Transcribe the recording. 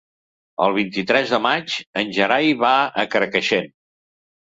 El vint-i-tres de maig en Gerai va a Carcaixent.